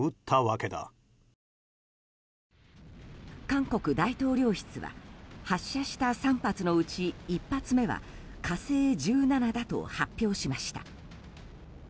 韓国大統領室は発射した３発のうち１発目は「火星１７」だと発表しました。